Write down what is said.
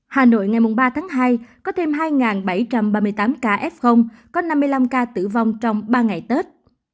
hà nội ngày ba tháng hai có thêm hai bảy trăm ba mươi tám ca f có năm mươi năm ca tử vong trong ba ngày tết